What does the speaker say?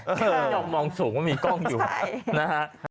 เธอไม่ยอมมองสูงว่ามีกล้องอยู่นะฮะ